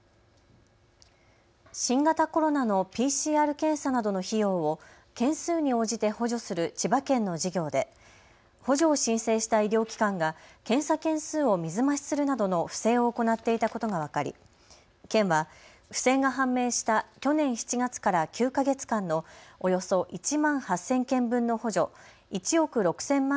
新型コロナのＰＣＲ検査などの費用を件数に応じて補助する千葉県の事業で補助を申請した医療機関が検査件数を水増しするなどの不正を行っていたことが分かり県は不正が判明した去年７月から９か月間のおよそ１万８０００件分の補助１億６０００万